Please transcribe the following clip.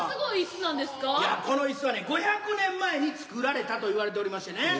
いやこの椅子はね５００年前に作られたといわれておりましてね。